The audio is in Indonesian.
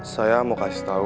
saya mau kasih tahu